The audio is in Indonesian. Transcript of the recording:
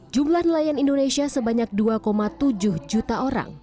jumlah nelayan indonesia sebanyak dua tujuh juta orang